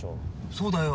そうだよ。